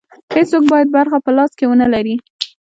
هېڅوک باید برخه په لاس کې ونه لري.